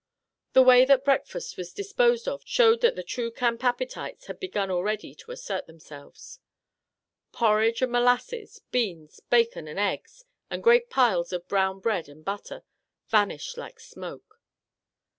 The way that breakfast was dis posed of showed that the true camp appetites had begun already to assert themselves. Por ridge and molasses, beans, bacon and eggs, and great piles of brown bread and butter, vanished like smoke.